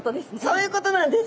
そういうことなんです。